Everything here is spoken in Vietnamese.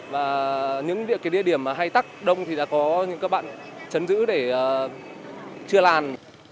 và những cái địa điểm hay tắc đông thì đã có những các bạn chấn giữ để chưa làm